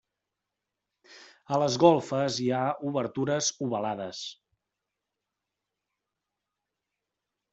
A les golfes hi ha obertures ovalades.